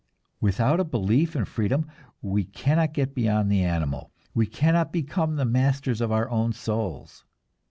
Without a belief in freedom we cannot get beyond the animal, we cannot become the masters of our own souls.